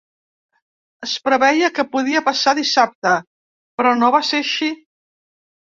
Es preveia que podia passar dissabte, però no va ser així.